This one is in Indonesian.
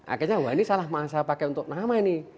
akhirnya wah ini salah saya pakai untuk nama ini